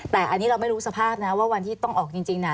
แต่อันนี้เราไม่รู้สภาพนะว่าวันที่ต้องออกจริงน่ะ